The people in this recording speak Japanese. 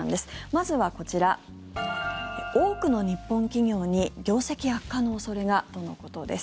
まずはこちら、多くの日本企業に業績悪化の恐れがとのことです。